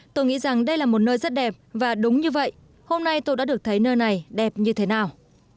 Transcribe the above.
tôi nghĩ rằng đây là một nơi rất đẹp và đúng như vậy hôm nay tôi đã được thấy nơi này đẹp như thế nào